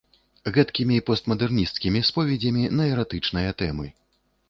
Гэткімі постмадэрнісцкімі споведзямі на эратычныя тэмы.